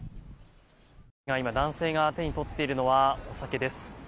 今、男性が手に取っているのはお酒です。